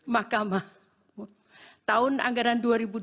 mahkamah tahun anggaran dua ribu dua puluh